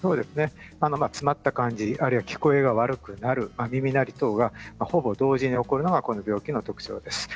詰まった感じ、聞こえが悪くなる、耳鳴りとかほぼ同時に起こるのがこの病気の特徴です。